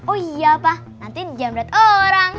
oh iya pak nanti dijamret orang